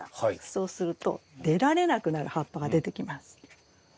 そうすると出られなくなる葉っぱが出てきます。